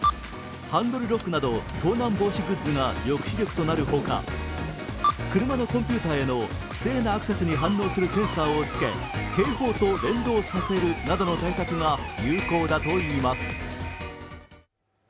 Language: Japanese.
ハンドルロックなど盗難防止グッズが抑止力となるほか、車のコンピューターへの不正なアクセスに反応するセンサーをつけ警報と連動させるなどの対策が有効だといいます。